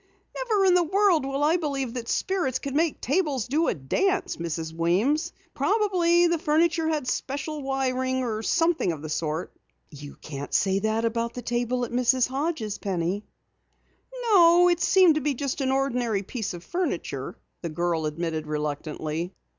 "Never in the world will I believe that spirits can make tables do a dance, Mrs. Weems! Probably the furniture had special wiring or something of the sort." "You can't say that about the table at Mrs. Hodges', Penny." "No, it seemed to be just an ordinary piece of furniture," the girl admitted reluctantly.